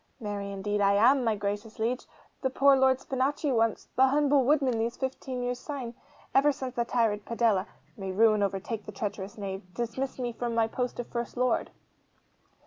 'Marry, indeed, am I, my gracious liege the poor Lord Spinachi once the humble woodman these fifteen years syne. Ever since the tyrant Padella (may ruin overtake the treacherous knave!) dismissed me from my post of First Lord.